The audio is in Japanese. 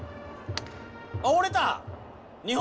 あ、折れた！